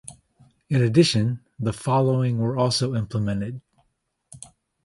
In addition, the following were also implemented.